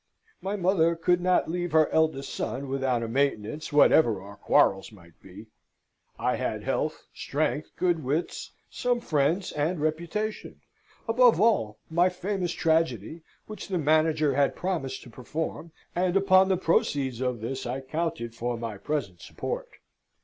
My mother could not leave her eldest son without a maintenance, whatever our quarrels might be. I had health, strength, good wits, some friends, and reputation above all, my famous tragedy, which the manager had promised to perform, and upon the proceeds of this I counted for my present support.